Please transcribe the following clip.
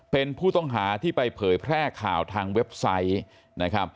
เป็นผู้ต้องหาที่ไปเผยแพร่ข่าวทางเว็บไซต์นะครับ